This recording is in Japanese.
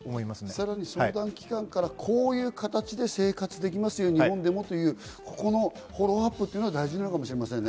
さらに相談機関から「こういう形で生活できますよ日本でも」というここのフォローアップっていうのが大事なのかもしれませんね。